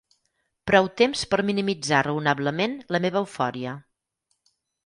Prou temps per minimitzar raonablement la meva eufòria.